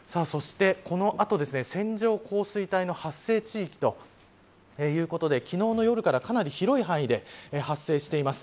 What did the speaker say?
そしてこの後、線状降水帯の発生地域ということで昨日の夜からかなり広い範囲で発生しています。